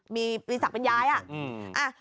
มีปีศักดิ์เป็นยายอ่ะ